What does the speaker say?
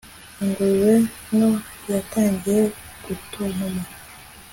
ingurube nto yatangiye gutontoma